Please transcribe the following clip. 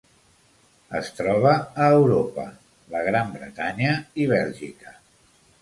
Es troba a Europa: la Gran Bretanya i Bèlgica.